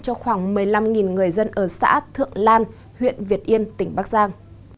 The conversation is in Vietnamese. cho khoảng một mươi năm người dân ở xã thượng lan huyện việt yên tỉnh bắc giang